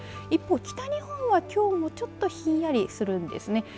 一方、北日本は、きょうはちょっとひんやりするんですね。